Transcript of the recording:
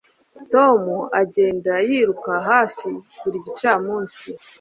Tom agenda yiruka hafi buri gicamunsi